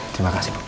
terima kasih bu